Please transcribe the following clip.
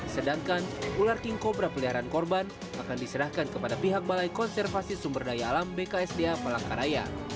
sedangkan ular king cobra peliharaan korban akan diserahkan kepada pihak balai konservasi sumber daya alam bksda palangkaraya